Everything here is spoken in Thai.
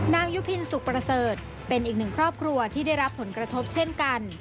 ยุพินสุขประเสริฐเป็นอีกหนึ่งครอบครัวที่ได้รับผลกระทบเช่นกัน